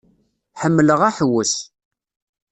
Ḥemmleɣ aḥewwes.